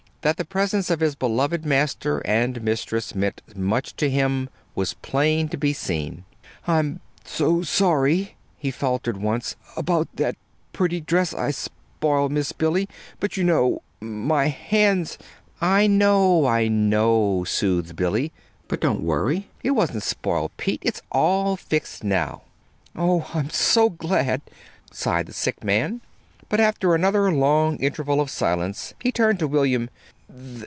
That the presence of his beloved master and mistress meant much to him was plain to be seen. "I'm so sorry," he faltered once, "about that pretty dress I spoiled, Miss Billy. But you know my hands " "I know, I know," soothed Billy; "but don't worry. It wasn't spoiled, Pete. It's all fixed now." "Oh, I'm so glad," sighed the sick man. After another long interval of silence he turned to William.